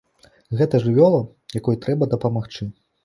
Гэта жывёла, якой трэба дапамагчы.